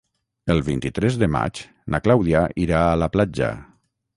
El vint-i-tres de maig na Clàudia irà a la platja.